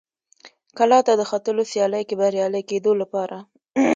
کلا ته د ختلو سیالۍ کې بریالي کېدو لپاره.